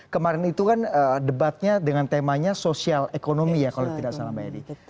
kemarin itu kan debatnya dengan temanya sosial ekonomi ya kalau tidak salah mbak edi